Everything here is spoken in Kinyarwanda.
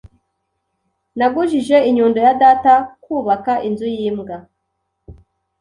Nagujije inyundo ya data kubaka inzu yimbwa.